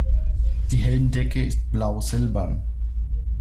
Die Helmdecke ist blau-silbern.